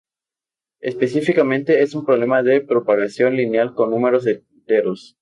Específicamente, es un problema de programación lineal con números enteros.